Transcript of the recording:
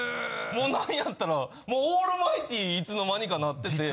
もうなんやったらオールマイティにいつの間にかなってて。